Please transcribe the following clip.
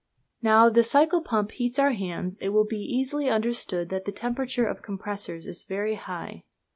Now, if the cycle pump heats our hands, it will be easily understood that the temperature of the compressors is very high.